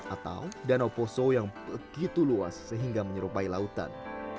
atau danau poso yang begitu luas sehingga menyerupai lautan